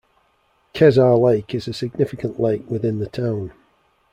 Kezar Lake is a significant lake within the town.